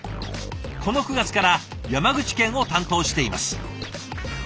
この９月から山口県を担当しています。